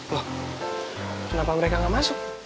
loh kenapa mereka nggak masuk